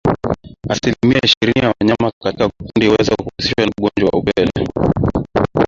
Asilimia ishirini ya wanyama katika kundi huweza kuathirika na ugonjwa wa upele